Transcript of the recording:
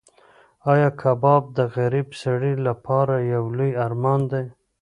ایا کباب د غریب سړي لپاره یو لوی ارمان دی؟